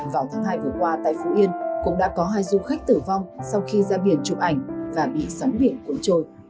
vừa qua tại phú yên cũng đã có hai du khách tử vong sau khi ra biển chụp ảnh và bị sóng biển cuốn trôi